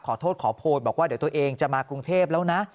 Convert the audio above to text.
ขอโทษขอโพยบอกว่าเดี๋ยวตัวเองจะมากรุงเทพแล้วนะ